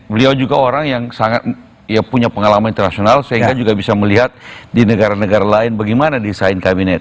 beliau juga orang yang sangat punya pengalaman internasional sehingga juga bisa melihat di negara negara lain bagaimana desain kabinet